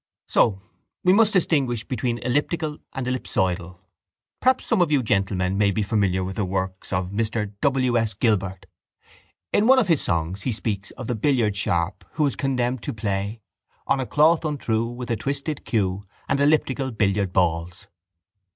—So we must distinguish between elliptical and ellipsoidal. Perhaps some of you gentlemen may be familiar with the works of Mr W. S. Gilbert. In one of his songs he speaks of the billiard sharp who is condemned to play: On a cloth untrue With a twisted cue And elliptical billiard balls.